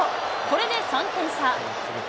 これで３点差。